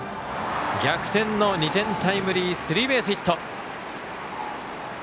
逆転の２点タイムリースリーベースヒット。